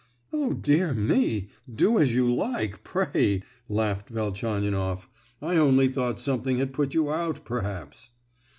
"Oh dear me! do as you like, pray!" laughed Velchaninoff; "I only thought something had put you out, perhaps!"